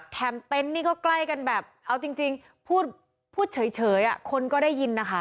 เต็นต์นี่ก็ใกล้กันแบบเอาจริงพูดเฉยคนก็ได้ยินนะคะ